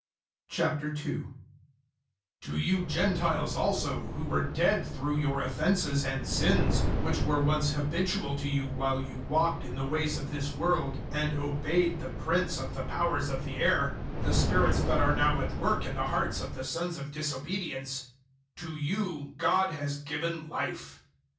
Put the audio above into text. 002:001 To you Gentiles also, who were dead through your offences and sins, 002:002 which were once habitual to you while you walked in the ways of this world and obeyed the Prince of the powers of the air, the spirits that are now at work in the hearts of the sons of disobedience to you God has given Life.